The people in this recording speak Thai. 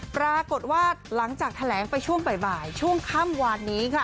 ปรากฏว่าหลังจากแถลงไปช่วงบ่ายช่วงค่ำวานนี้ค่ะ